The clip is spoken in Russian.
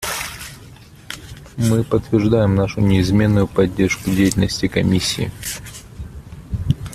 Мы подтверждаем нашу неизменную поддержку деятельности Комиссии.